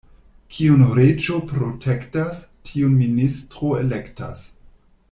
Kiun reĝo protektas, tiun ministro elektas.